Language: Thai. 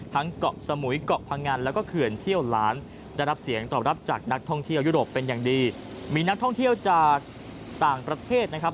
ท่องเที่ยวยุโรปเป็นอย่างดีมีนักท่องเที่ยวจากต่างประเทศนะครับ